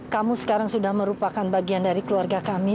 kamu sekarang sudah merupakan bagian dari keluarga kami